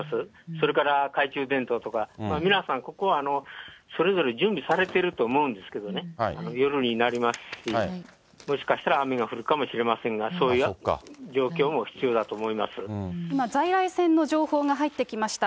それから懐中電灯とか、皆さん、ここはそれぞれ準備されてると思うんですけどね、夜になりますし、もしかしたら雨が降るかもしれませんが、今、在来線の情報が入ってきました。